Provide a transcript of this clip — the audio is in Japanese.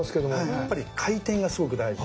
やっぱり回転がすごく大事。